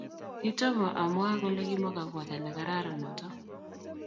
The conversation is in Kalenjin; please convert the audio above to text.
Kittomo amwaee kole kimakabwatet negararan noto